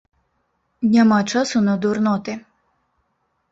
Няма часу на дурноты.